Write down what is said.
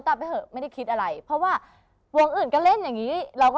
ไปเถอะไม่ได้คิดอะไรเพราะว่าวงอื่นก็เล่นอย่างงี้เราก็